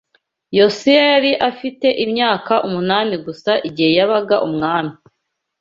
YOSIYA yari afite imyaka umunani gusa igihe yabaga umwami